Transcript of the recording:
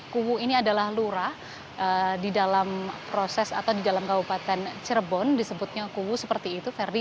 kuwu ini adalah lurah di dalam proses atau di dalam kabupaten cirebon disebutnya kuwu seperti itu ferdi